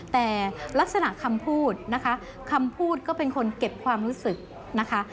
แต่ลักษณะคำพูดนะคะคำพูดก็เป็นคนเก็บความรู้สึกนะคะ